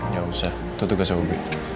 gak usah itu tugasnya ob